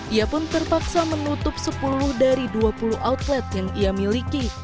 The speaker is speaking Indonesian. ia pun terpaksa menutup sepuluh dari dua puluh outlet yang ia miliki